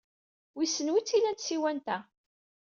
Wissen wi tt-ilan tsiwant-a.